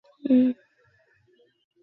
শয়তান ওর পুরোটাই নিজের দখলে নিয়ে নিয়েছে।